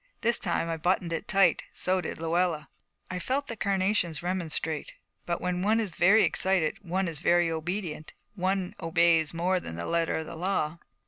This time I buttoned it tight; so did Luella. I felt the carnations remonstrate, but when one is very excited one is very obedient: one obeys more than the letter of the law.